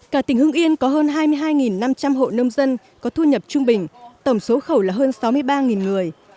cả tỉnh hưng yên có hơn hai mươi hai năm trăm linh hộ nông dân có thu nhập trung bình tổng số khẩu là hơn sáu mươi ba người